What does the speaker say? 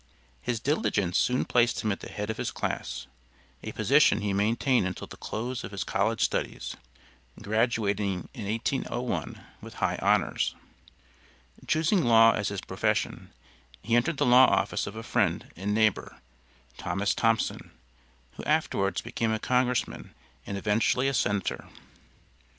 His diligence soon placed him at the head of his class, a position he maintained until the close of his college studies, graduating in 1801 with high honors. Choosing law as his profession, he entered the law office of a friend and neighbor, Thomas Thompson, who afterwards became a congressman and eventually a senator. Mr.